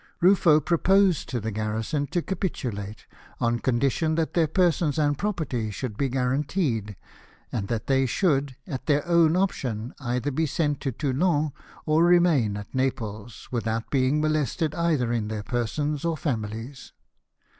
Ruffo proposed to the garrison to capitulate, on condition that their persons and property should be guaranteed, and that they should, at their own option, either be sent to Toulon, or remain at Naples, without being molested either in their persons or families.